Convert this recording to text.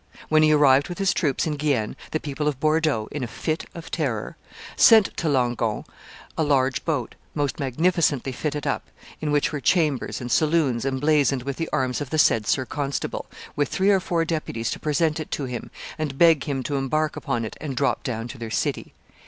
When he arrived with his troops in Guienne, the people of Bordeaux, in a fit of terror, sent to Langon a large boat, most magnificently fitted up, in which were chambers and saloons emblazoned with the arms of the said sir constable, with three or four deputies to present it to him, and beg him to embark upon it, and drop down to their city.